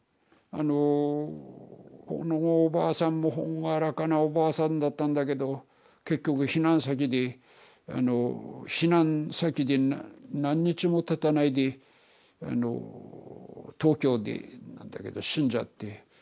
あのこのおばあさんも朗らかなおばあさんだったんだけど結局避難先であの避難先で何日もたたないであの東京でなんだけど死んじゃって。